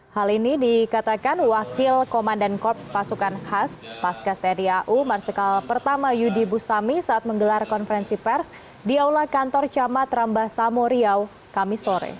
hal ini dikatakan wakil komandan korps pasukan khas paskas tni au marsikal pertama yudi bustami saat menggelar konferensi pers di aula kantor camat rambah samoriau kami sore